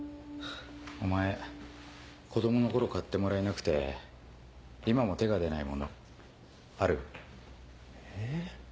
お前子供の頃買ってもらえなくて今も手が出ないものある？え？